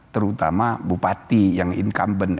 terutama bupati yang incumbent